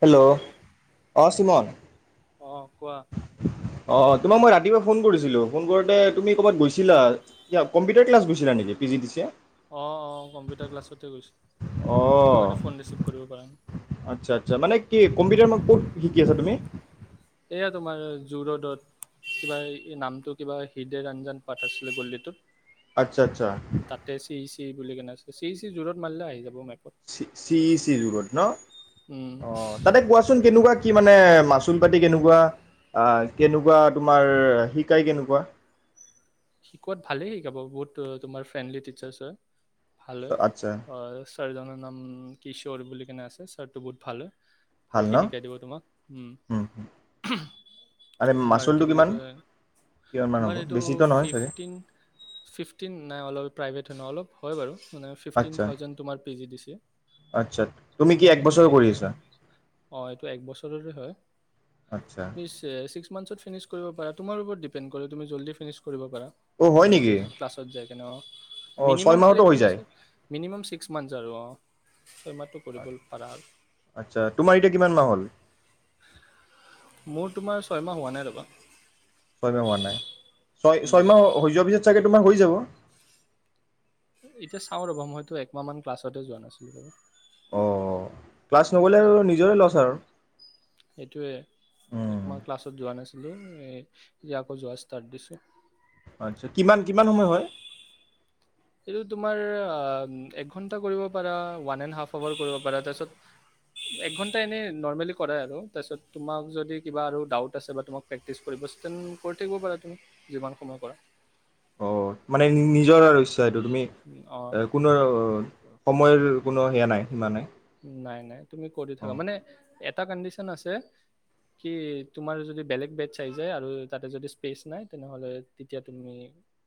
Hello, অ চুমন। অঁ কোৱা অ তোমাক মই ৰাতিপুৱা ফোন কৰিছিলোঁ, ফোন কৰোঁতে তুমি ক'বাত গৈছিলা কম্পিউটাৰ ক্লাছ গৈছিলা নেকি পিজিদিচি এ। অঁ অঁ কম্পিউটাৰ ক্লাছতে গৈছোঁ। অ সেইটো কাৰণে ফোন ৰিচিভ কৰিব পৰা নাই। আচ্ছা আচ্ছা মানে কি কম্পিউটাৰ মই ক'ত শিকি আছা তুমি এয়া তোমাৰ জো-ৰডত। কিবা কি নামটো কিবা হৃদয় ৰঞ্জন পাঠক বুলি আচ্ছা আচ্ছা গল্লিটোত। তাতে শ্ৰী শ্ৰী বুলি কিনে। চি ই চি জো-ৰড মাৰিলে আহি যাব মেপত। চি ই চি জু-ৰোড ন উম অ তাতে কোৱাচোন কেনেকুৱা কি মানে মাছ মাচুল পাতি কেনেকুৱা? অহ কেনেকুৱা তোমাৰ শিকাই কেনেকুৱা? শিকোৱাত ভালেই শিকাব। বহুত তোমাৰ ফ্ৰেণ্ডলি টিচাৰছ হয়। ভালে। আচ্ছা অ চাৰজনৰ নাম কিশোৰ বুলি। এন এছ এছ ছাৰ্‌টো বহুত ভাল হয়। ভাল ভালকে ন শিকাই দিব তোমাক। উম। আৰে তোমাৰ আৰু কি মাচুলটো বুলি কিমান কয় কিমানমান তোমাৰ হ'ব এইটো বেছিতো নহয় চাগে ফিফটিন ফিফটিন না অলপ প্ৰাইভেট ন অলপ। হয় বাৰু। মানে ফিফটিন আচ্ছা থাউজেণ্ড তোমাৰ পিজি দিছি আচ্ছা তুমি কি এক বছৰ মানে কৰি আছা অ এইটো একবছৰৰে হয় আচ্ছা তুমি ছি‌-ছিস্ক মানছত ফিনিছ কৰিব পাৰা তোমাৰ ওপৰত ডিপেন্ড কৰে তুমি জল্দি ফিনিছ কৰিব পাৰা অ হয় জল্দি নেকি জ ক্লাছত যায়। অ [unintelligible] ছয় মিনিমাম খালি মাহতো হৈ তুমি যায় [inaudible] মিনিমাম ছিক্স মান্থছ আৰু অ আতচা তোমাৰ এতিয়া কিমান মাহ হল? মোৰ তোমাৰ ছয়মাহ হোৱা নাই ৰবা ছয়মাহ হোৱা নাই। উম, ছয়-ছয় মাহ হৈ যোৱাৰ পিছত চাগে তোমাৰ হৈ যাব এতিয়া চাও ৰবা মইতো একমাহমান ক্লাছতে যোৱা নাছিলো বাৰু। অ ক্লাছ নগ'লে আৰু নিজৰে লছ আৰু সেইটোৱে উম এক মাহ ক্লাছত যোৱা নাছি [unintelligible] এ ই আকৌ যোৱা ষ্টাৰ্ট দিছে। আচ্ছা কিমান-কিমান সময় হয়? এইটো তোমাৰ আ উম একঘণ্টা কৰিব পাৰা ওৱান এণ্ড হাফ আৱাৰ কৰিব পাৰা তাচত একঘন্টা এনে নৰ্মেলি কৰে আৰু তাচত তোমাক যদি কিবা আৰু ডাউত আছে বা তোমাক প্ৰেক্টিছ কৰিব ষ্টেন কৰি থাকিব পাৰা তুমি যিমান সময় কৰা। অ মানে নিজৰ আৰু এইটো তুমি অঁ এ কোনো [unintelligible] সময়ৰ কোনো সেয়া নাই সীমা নাই। নাই-নাই তুমি কৰি অ থাকা মানে এটা কণ্ডিশচন আছে কি তোমাৰ যদি বেলেগ বেটচ আহিছে আৰু তাতে যদি স্পেছ নাই তেনেহ'লে তেতিয়া তুমি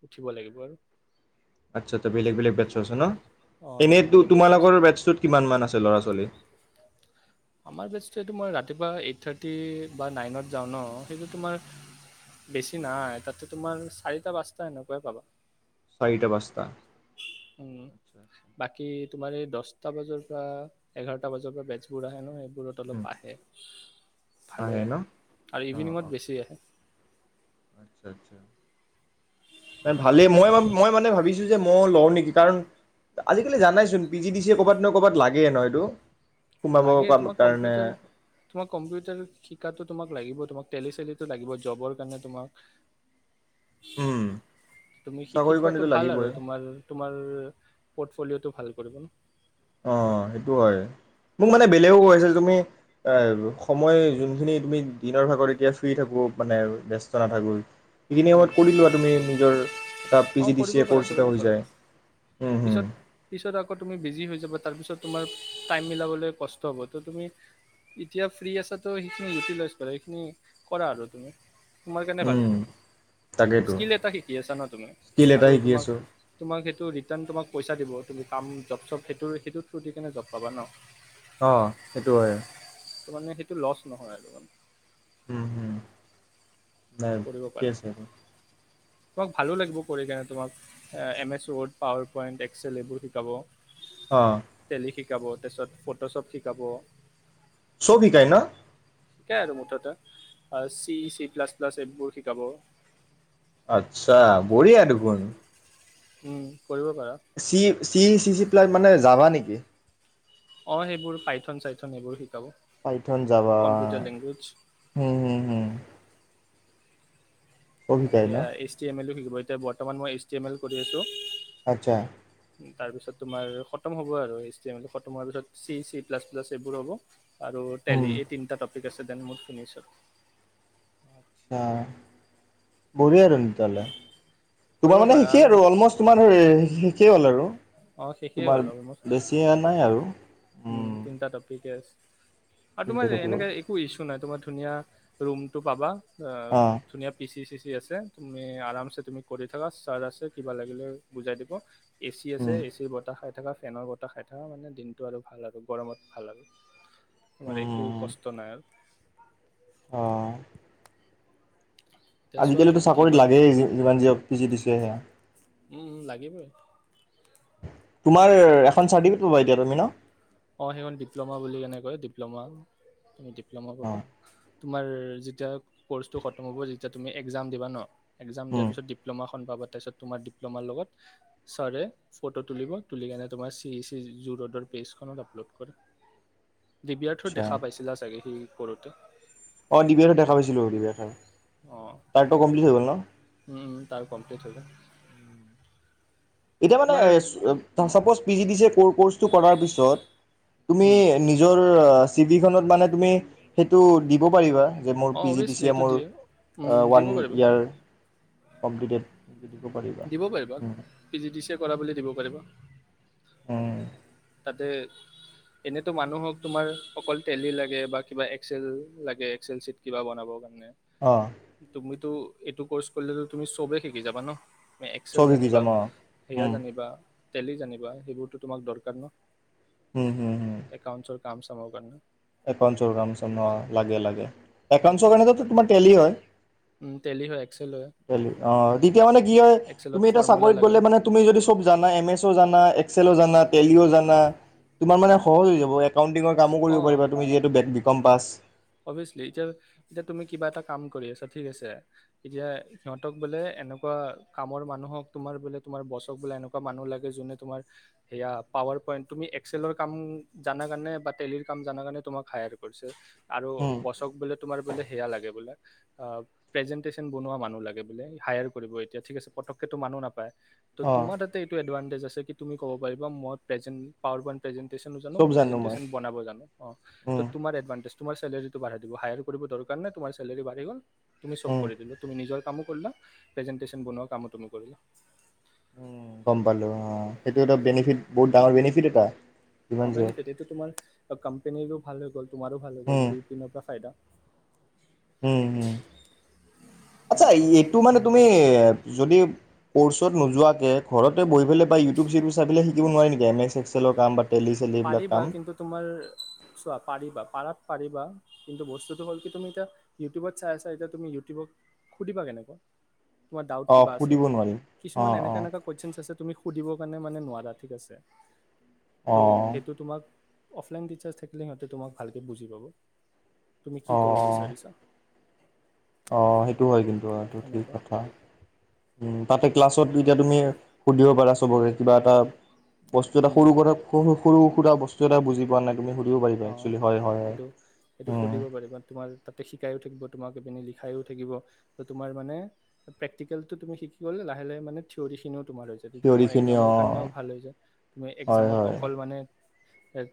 উঠিব লাগিব আৰু। আচ্ছা আচ্ছা বেলেগ-বেলেগ বেটছো আছে ন? অঁ বেলেগ এনেতো বেলেগ বেটছ তোমালোকৰ আছে বেটছটোত কিমান মান আছে? ল'ৰা ছোৱালী আমাৰ বেটছটোৱে তোমাৰ ৰাতিপুৱা এইথ থাৰ্টি বা নাইনত যাওঁ ন সেইটো তোমাৰ বেছি নাই তাতে তোমাৰ চাৰিটা পাঁচটা এনেকুৱাই পাবা। চাৰিটা পাঁচটা উম আচ্ছা আচ্ছা, বাকী তোমাৰ এই দছটা বজাৰ পৰা এঘাৰটা বজাৰ পৰা বেটছ পূৰা হেনো বোৰত উম অলপ আহে ভালে আহে আৰু অ অ ইভিনিঙত বেছি আহে। আচ্ছা আচ্ছা ভালেই এনেকুৱা মই-মই মানে ভাবিছো যে মই লওঁ নেকি কাৰণ আজিকালি জানাইচোন P G D C A ক'ৰবাত নহয় কবাত লাগে ন এইটো? সোমাব লাগে তোমাক কাৰণে কম্পিউটাৰ তোমাৰ কম্পিউটাৰ শিকাটো তোমাক লাগিব তোমাক তেলি-চেলিটো লাগিবই জবৰ কাৰণে তোমাক উম তুমি শিকি চাকৰি কাৰণেতো থোৱাটো ভাল লাগিবই আৰু তোমাৰ-তোমাৰ পৰ্টফলিঅটো ভাল কৰিব ন অ সেইটো হয়। মোক মানে বেলেগেও কৈছে তুমি আ সময় যোনখিনি তুমি দিনৰ ভাগৰ এতিয়া ফ্ৰী থাকবো মানে ব্যস্ত নাথাকোঁ ইখিনি উম সময়ত কৰি লোৱা তুমি নিজৰ এটা পি অ' জি ডি চি কৰিব এ পাৰা কৰ্চ এটা কৰিব হৈ পাৰা। যায় উম হম পিছত পিছত আকৌ তুমি বিজি হৈ যাবা তাৰপিছত তোমাৰ টাইম মিলাবলৈ কষ্ট হ'ব তো তুমি এতিয়া ফ্ৰী আছা তো সেইখিনি ইউটিলাইজ কৰা সেইখিনি কৰা আৰু তুমি তোমাৰ কাৰণে ভাল উম তাকেইতো স্কিল এটা শিকি আছা ন তুমি স্কিল এটা আৰু শিকি তোমাক আছোঁ তোমাক সেইটো ৰিটাৰ্ণ তোমাক পইচা দিব তুমি কাম জব চব সেইটো সেইটো থ্ৰু দি কিনে জব পাবা ন অ সেইটো হয় ত মানে সেইটো লছ নহয় আৰু মানে উম হম নাই কৰিব ঠিকে পাৰা আছে তোমাক ভালো লাগিব কৰি কেনে তোমাক M S word, power point, excel এইবোৰ শিকাব। অ' টেলি শিকাব তাৰপিছত ফটোশ্বপ শিকাব সব শিকাই ন শিকাই আৰু মুঠতে চি, চি প্লাছ প্লাছ এইবোৰ শিকাব। আচ্ছা বঢ়িয়া দেখোন উম কৰিব পাৰা চি চি চি চি প্লাইট মানে যাবা নেকি? অ সেইবোৰ পাইথন চাইথন এইবোৰ শিক পাইথন যাবা হম হম হম সেয়া এইচ টি এম এলও শিক গ এতিয়া বৰ্তমান মই এইছ টি এম এল কৰি আছোঁ। আচ্ছা তাৰ পিছত তোমাৰ খতম হ'ব আৰু এইচি খতম হোৱাৰ পিছত চি চি প্লাছ প্লাছ এইবোৰ হ'ব আৰু হুম টেলি এই তিনিটা ত ঠিক আছে দেন মই শুনিছোঁ আচ্ছা, বঢ়িয়া দেখোন তেনেহ'লে তোমাৰ কৰিব মানে পাৰা শিকেই আৰু অলমষ্ট তোমাৰ কি হ'ল আৰু অঁ শেষেই তোমাৰ বেছি নাই আৰু উম তিনিটা টপি ঠিকে আছে আৰু তোমাৰ যে এনেক একো ইচ্যু নাই তোমাৰ ধুনীয়া ৰুমটো পাবা অ' অঁ ধুনীয়া পিচি চিচি আহি আছে তুমি আৰামছে তুমি কৰি থাকা ছাৰ আছে, কিবা লাগিলে বুজাই দিব। এ চি আছে উম এ চিৰ বতা খাই থাকা ফেনৰ বতাহ খাই থাকা মানে দিন টো আৰু ভাল আৰু গৰমত ভাল আৰু তোমাৰ একো উম কষ্ট নাই অঁ এতিয়া চোৱা আজিকালিতো তুমি কি চাকৰিত কৰা লাগেই যি - যিমান যি হওক পি জি দি চিএ সেয়া উম-উম লাগিবয়ে তোমাৰ এখন চাৰ্টিফিকেট [unintelligible] তুমি ন অ সেইখন ডিপ্ল'মা বুলিকেনে কয় ডিপ্লমা [unintelligible] লামা পাবা অঁ তোমাৰ যি তিয়া কৰ্চটো খতম হ'ব যেতিয়া তুমি এক্জাম দিবা ন এক্জাম দিয়াৰ উম পিছত ডিপ্লমা খন পাবা তাৰচত তোমাৰ ডিপ্ল'মাৰ লগত চাৰে ফটো তুলিব তুলিকেনে তোমাৰ চি এ চিৰ যি জু ৰোডৰ পেছ ফোনত আপলোড কৰা ডিবিয়াৰথত আচ্ছা দেখা পাইছিলা চাগে সি কৰোতে অ দি বি আৰত দেখা পাইছিলো দি বি আৰখন তাৰটো কমপ্লিট হৈ গল ন উম তাৰ কমপ্লিট হৈ গল এতিয়া মানে তোমাৰ [unintelligible] suppose P G D C A কৰ-ক'ৰ্চটো কৰাৰ পিছত তুমি উম, নিজৰ চিঠিখনত মানে তুমি সেইটো দি ব পাৰিবা যে মোৰ অ পি জি ডি অভিয়াছলি চিয়ে এইটো মোৰ দিয়ে আ উম, দিব ওৱান পাৰিবা ইয়াৰ কমপ্লিটেড দিব পাৰিবা দিব পাৰিবা উম পি জি ডি চিয়ে কৰা বুলি দিব পাৰে [inaudible] উম তাতে এনেতো মানুহক তোমাৰ অকল তেলি লাগে বা কিবা এক্সেল লাগে এক্সেল চিত কিবা বনাব কাৰ নে অ তুমি টো এইটো কৰ্চ কৰিলেটো তুমি চবে শিকি যাবা ন একসেল চব শিকি জানিবা যাম অ হেয়া উম জানিবা তেলি জনিবা সেইবোৰতো তোমাক দৰকাৰ ন উম হম-হম একাউন্টছৰ কাম চামৰ কাৰণে একাউঞ্চৰ কাম চাম অ লাগে-লাগে একাউন্তছৰ কাৰনেটো তোমাৰ তেলি হয় উম, টেলি হয় এক্সেল হয় [unintelligible] অ' তেতিয়া মানে কি হয় এক্সেলত তুমি এতিয়া ফৰ্মুলা চাকৰিত লাগে গ'লে মানে তুমি যদি চব জানাই, এম এছ ও জানা এক্সেলো জানা। টেলিও জানা। তোমাৰ মানে সহজ হৈ যাব একাউণ্টিৰ কামো কৰিব পাৰিবা যিহেটো বেক বি কম পাছ অভিয়াছ্লি। এতিয়া - এতিয়া তুমি কিবা এটা কাম কৰি আছা। ঠিক আছে। এতিয়া সিহঁতক বোলে এনেকুৱা কামৰ মানুহক তোমাৰ বোলে তোমাৰ বছক বোলে এনেকুৱা মানুহ লাগে যোনে তোমাৰ এইয়া পাৱাৰ পইণ্ট, তুমি এক্সেলৰ কাম জানা কাৰণে বা টেলিৰ কাম জানা কাৰণে তোমাক হায়াৰ কৰিছে। আৰু উম, বছক বোলে তোমাৰ বোলে সেয়া লাগে বোলে অ' প্ৰেজেণ্টেছন বনোৱা মানুহ লাগে বোলে। হায়াৰ কৰিব এতিয়া। ঠিক আছে। পতক্কেতো মানুহ নাপায়। তো অ', তোমাৰ তাতে এইটো এডভাঞ্চ [unintelligible] আছে কি তুমি ক'ব পাৰিবা মই প্ৰেজেণ্ট - পাৱাৰ পইন্ট প্ৰেজেণ্ট টেছনো জানোঁ। চব জানো মই প্ৰেজেণ্টেছন বনাব জানোঁ। অ' তো উম, তোমাৰ এডভান্তেজ তোমাৰ ছেলাৰীটো বাঢ়াই দিব। হায়াৰো কৰিব দৰকাৰ নাই, তোমাৰ ছেলাৰী বাঢ়ি গ'ল। তুমি চব উম, কৰি দিলোঁ। তুমি নিজৰ কামো কৰিলা। প্ৰেজেণ্টেশ্যন বনোৱা কামো তুমি কৰিলা। উম গম পালোঁ। অ' সেইটো এটা বেনিফিট - বহুত ডাঙৰ বেনিফিট এটা। যিমান যি হওঁক [unintelligible] টো তোমাৰ আ- কাম্পেনীৰো ভালে গ'ল। তোমাৰো ভালে উম, গ'ল। দুই পিনৰ পৰা ফাইদা। উম হম। আচ্ছা সেনেকুৱা এইটো মানে তুমি যদি কোৰ্চত নোযোৱাকে ঘৰতে বহি পেলাই বা ইউটিউব চিউটিউব চাই পেলাই শিকিব নোৱাৰি নেকি এম্ এস্ এক্সেলৰ কাম বা টেলি চেলি এইবিলাক পাৰিবা। কাম? কিন্তু তোমাৰ চোৱা, পাৰিবা। পাৰা পাৰিবা। কিন্তু বস্তুটো হ'ল কি তুমি এতিয়া ইউটিউবত চাই আছা। এতিয়া তুমি ইউটিউবক সুধিবা কেনেকৈ? তোমাৰ ডাউট অ কিবা আছে। সুধিব নোৱাৰিম অ কিছুমান এনেকা এনেকা অ কুৱেচনছ আছে তুমি সুধিব কাৰণে মানে নোৱাৰা ঠিক আছে। অ তো সেইটো তোমাক অফলাইন টিচাৰ্ছ থাকিলে সিহঁতে তোমাক ভালকে বুজি পাব। তুমি কি অ ক'ব বিচাৰিছা? অ' সেইটো হয় কিন্তু। লোৱাটো ঠিক এনেকুৱা কথা। উম। তাতে ক্লাছত তো এতিয়া তুমি সুধিব পাৰা চবকে কিবা এটা বস্তু এটা উম সৰু-সুৰা [unintelligible] সৰু-সুৰা ব্স্তু এটা বুজি পোৱা নাই। তুমি সুধিব পাৰিবা অ' একচুৱেলি হয় হয় হয় সেইটো-সেইটো উম সুধিব পাৰিবা। তোমাৰ তাতে শিকায়ো থাকিব তোমাক এপিনে লি খাইও থাকিব তো তোমাৰ মানে প্ৰেক্টিকেলটো তুমি শিকি গ'লে লাহে লাহে মানে থিয়ৰী খিনিও তোমাৰ হৈছে তেতিয়া তোমাৰ থিয়ৰিখিনি একজামৰ অ কাৰণেও ভাল হৈছে তুমি হয় এক্জামত হয় অকল মানে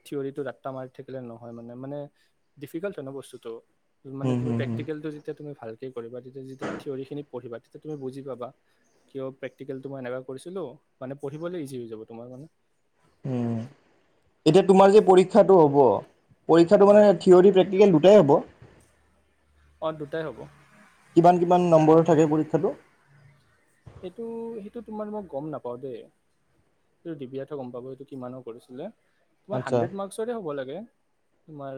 থিয়ৰটো ৰা মাৰ থাকিলে নহয় মানে মানে ডিফিকাল্ট হয় ন বস্তুতটো মানে উম তুমি হুম হুম প্ৰেকটিকেলটো যেতিয়া তুমি ভালকৈ কৰিবা তেতিয়া যেতিয়া থিয়ৰৰিখিনি পঢ়িবা তেতিয়া তুমি বুজি পাবা কিয় প্ৰেক্টিকেলটো মই এনেকুৱা কৰিছিলোঁ মানে পঢ়িবলৈ ইজি হৈ যাব তোমাৰ মানে উম এতিয়া তোমাৰ যে পৰীক্ষাটো হ'ব পৰীক্ষাটো অ মানে থিয়ৰৰি প্ৰে্টিকেল দু হ'ব অ দুটাই হ'ব কিমান কিমান নম্বৰ থাকে পৰীক্ষাটো সেইটো সেইটো তোমাৰ মই গম নাপাওঁ দেই সেইটো দিবি এঠ গম পাব এইটো কিমানৰ কৰিছিলে তোমাৰ আচ্ছা হাড্ৰেড মাৰ্কচৰে হ'ব লাগে তোমাৰ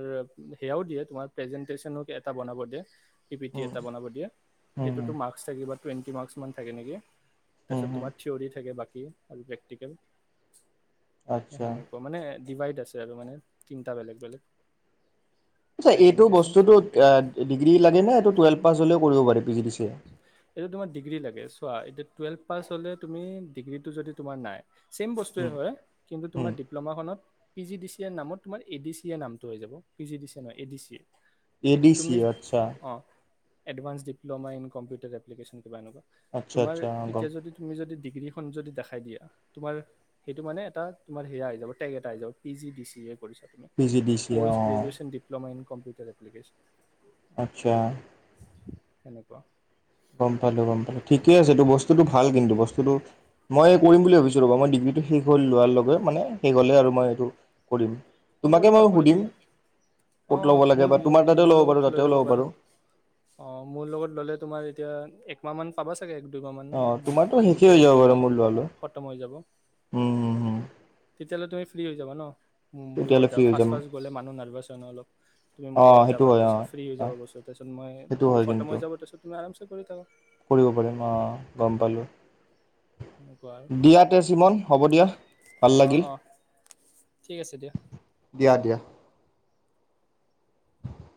সেয়াও দিয়ে তোমাৰ প্ৰেজেন্টেচনো এটা বনাব দিয়ে পি পি টি উম এটা বনাব দিয়ে উম সেইটোতো মাৰ্কস থাকিব টুৱেন্টি মাৰ্কচ মান থাকে নেকি উম তাৰপিছত উম তোমাৰ থিয়ৰি থাকে বাকী আৰু প্ৰেটিকেল আচ্ছা সেনেকুৱা মানে ডিভাইড আছে আৰু মানে তিনিটা বেলেগ বেলেগ এইটো প্ৰেজেণ্টেশ্যন বস্তুতটো থিয়ৰী প্ৰেক্টিকেল ডিগ্ৰী লাগে ন এইটো টুৱেলভ পাছ হ'লেও কৰিব পাৰি P D D C A এইটো তোমাৰ ডিগ্ৰী লাগে চোৱা এইটো টুৱেলভ পাছ হ'লে তুমি ডিগ্ৰীটো যদি তোমাৰ নাই চছেম উম, বস্তুুৱে হয় কিন্তু উম, তোমাৰ ডিপ্ল'মা খনত পি জি ডি চি নামত তোমাৰ এ ডি চি এৰ নামটো হৈ যাব পি জি ডি চি নহয় A D C A D C আচ্ছা এডভ্স ডিপ্লমা ইন কম্পিউটাৰ এপলিকেশন কিবা এনেকুৱা আচ্ছা তোমাৰ আচ্ছা গম এতিয়া যদি তুমি যদি ডি ডিগ্ৰীখন যদি দেখাই দিয়া তোমাৰ সেইটো মানে এটা তোমাৰ সেয়া আহি যাব টেক এটা আহি যাব P G D C A কৰিছে তুমি P G D C A post অঁ গ্ৰেজুৱেচন ডিপ্লমা কম্পিউটাৰ এপ্লিকেশ্যন আচ্ছা সেনেকুৱা গম পালো গম পালো ঠিকে আছে ত বস্তুটো ভাল কিন্তু বস্তুটো কিন্তু মই কৰিম বুলি ভাবিছো ৰ'বা মই ডিগ্ৰীটো শেষ হল লোৱাৰ লগে মানে শেষ হ'লে আৰু মই এইটো কৰিম। অ' তোমাকে কৰিবা মই কৰিবা সুধিম ক'ত অ' ল'ব লাগে মোৰ বা তোমাৰ তাতেও মোৰ ল'ব লগত পাৰোঁ লৈ তাতেও ল'ব পাৰা পাৰোঁ। অ' মোৰ লগত ল'লে তোমাৰ তেওঁ একমাহ মান চাব হব দুইমাহান অঁ তোমাৰতো শেষেই হৈ মোৰটো যাব বাৰু মোৰ দুইমাহত লোৱালৈ খতম হৈ যাব অ উম হুম, হুম, তাতিয়ালে তুমি ফ্ৰী হৈ যাবা ন উম মোৰ তেতিয়াহ'লে লগত ফ্ৰী যাবা হৈ ফাৰ্ষ্ট যাম। ফাৰ্ষ্ট গলে মানুহ নাৰ্ভাছ হয় ন অলপ তুমি মোৰ অঁ লগত সেইটো যাবা হয় তাৰপিত ফ্ৰী হৈ অঁ যাবা তাৰপিছত মই সেইটো মোৰ হয় খতম কিন্তু। হৈ যাব তাৰ পিছত তুমি আৰামচে কৰি থাক কৰিব পাৰিম অ' গম পালোঁ। এনেকুৱা আৰু দিয়া তে চিমন হ'ব দিয়া ভাল অ' লাগিল। অ' ঠিক আছে দিয়া দিয়া দিয়া